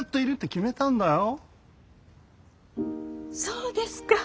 そうですか！